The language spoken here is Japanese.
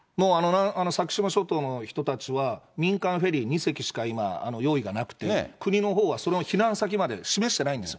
先島諸島の人たちは、民間フェリー２隻しか今用意がなくて国のほうはその避難先まで示してないんですよ。